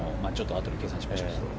あとで計算しましょう。